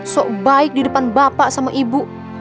so baik di depan bapak sama ibu